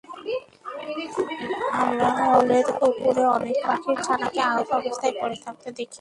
আমরা হলের পুকুরে অনেক পাখির ছানাকে আহত অবস্থায় পড়ে থাকতে দেখি।